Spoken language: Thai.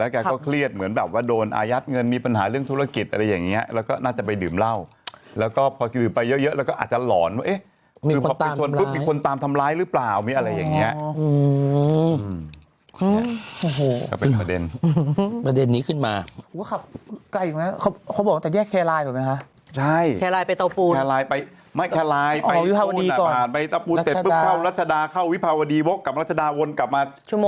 ชั่วโมงหนึ่งอ่ะที่เตาปูนชั่วโมงหนึ่งอ่ะอย่างนี้ดีกว่า